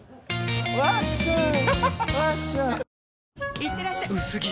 いってらっしゃ薄着！